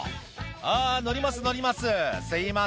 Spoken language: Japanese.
ああ、乗ります、乗ります。